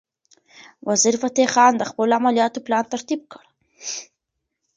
وزیرفتح خان د خپلو عملیاتو پلان ترتیب کړ.